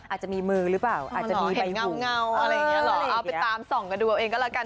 อาจจะมีมือหรือเปล่าอาจจะมีเห็นเงาอะไรอย่างนี้เหรอเอาไปตามส่องกันดูเอาเองก็แล้วกัน